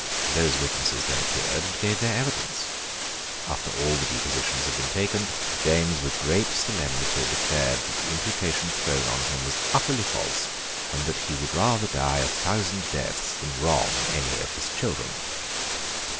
Those witnesses then appeared and gave their evidence. After all the depositions had been taken, James with great solemnity declared that the imputation thrown on him was utterly false, and that he would rather die a thousand deaths than wrong any of his children.